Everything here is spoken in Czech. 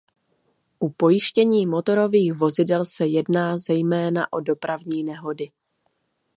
U pojištění motorových vozidel se jedná zejména o dopravní nehody.